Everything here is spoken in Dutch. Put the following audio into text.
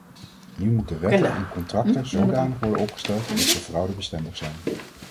Nu moeten wetten en contracten zodanig worden opgesteld dat ze fraudebestendig zijn.